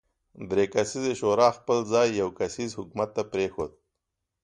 درې کسیزې شورا خپل ځای یو کسیز حکومت ته پرېښود.